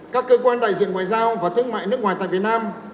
các cơ quan đại diện ngoại giao và thương mại nước ngoài tại việt nam